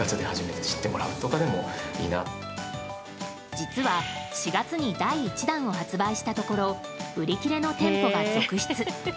実は、４月に第１弾を発売したところ売り切れの店舗が続出。